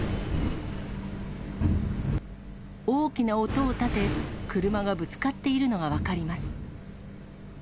大きな音を立て、車がぶつかっているのが分かります。